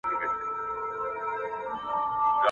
که رښتیا وي نو حقیقت نه پټیږي.